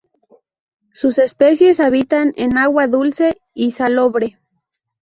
Sus especies habitan en agua dulce y salobre.